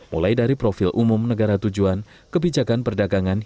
mulai dari profil umum negara tujuan kebijakan perdagangan